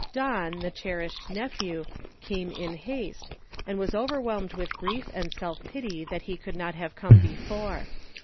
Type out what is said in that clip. Don, the cherished nephew, came in haste, and was overwhelmed with grief and self pity that he could not have come before.